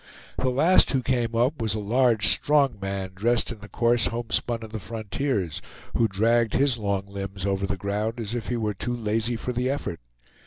The last who came up was a large strong man, dressed in the coarse homespun of the frontiers, who dragged his long limbs over the ground as if he were too lazy for the effort.